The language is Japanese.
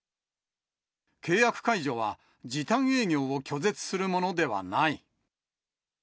契約解除は、時短営業を拒絶するものではない。